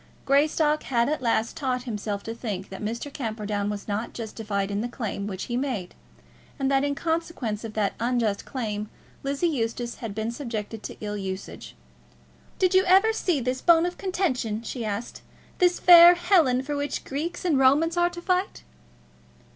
Greystock had at last taught himself to think that Mr. Camperdown was not justified in the claim which he made, and that in consequence of that unjust claim Lizzie Eustace had been subjected to ill usage. "Did you ever see this bone of contention," she asked; "this fair Helen for which Greeks and Romans are to fight?"